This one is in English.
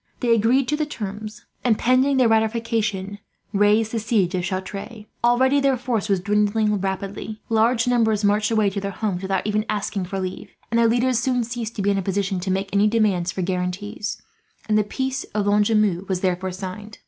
They agreed to the terms and, pending their ratification, raised the siege of Chartres. Already their force was dwindling rapidly. Large numbers marched away to their homes, without even asking for leave; and their leaders soon ceased to be in a position to make any demands for guarantees, and the peace of Lonjumeau was therefore signed.